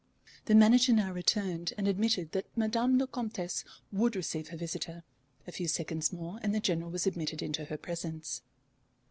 The manager now returned, and admitted that Madame la Comtesse would receive her visitor. A few seconds more, and the General was admitted into her presence.